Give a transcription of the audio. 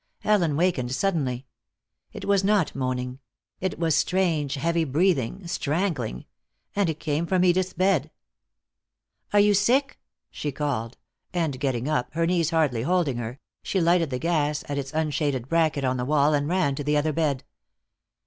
Ellen wakened suddenly. It was not moaning; it was strange, heavy breathing, strangling; and it came from Edith's bed. "Are you sick?" she called, and getting up, her knees hardly holding her, she lighted the gas at its unshaded bracket on the wall and ran to the other bed.